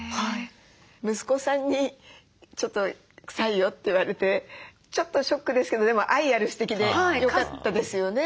息子さんに「ちょっと臭いよ」って言われてちょっとショックですけどでも愛ある指摘でよかったですよね。